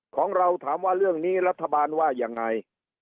ของเราถามว่าเรื่องนี้รัฐบาลว่ายังไง